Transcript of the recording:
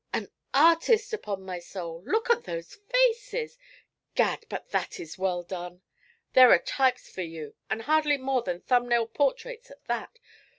'An artist, upon my soul! Look at those faces! Gad! but that is well done! There are types for you, and hardly more than thumb nail portraits at that.